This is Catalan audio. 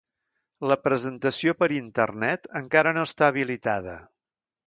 La presentació per Internet encara no està habilitada.